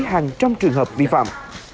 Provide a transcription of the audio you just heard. hàng trăm trường hợp vi phạm